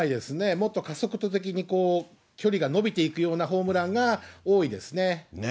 もっと加速度的に距離が伸びていくようなホームランが多いですね。